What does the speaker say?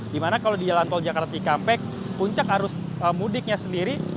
dimana kalau di jalan tol jakarta cikampek puncak arus mudiknya sendiri